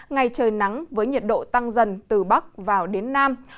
ngày trời nắng với nhiệt độ tăng dần từ bắc vào đến nam